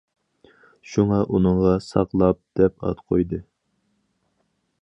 شۇڭا ئۇنىڭغا« ساقلاپ» دەپ ئات قويدى.